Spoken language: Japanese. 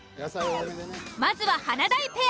まずは華大ペア。